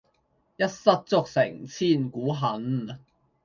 一失足成千古恨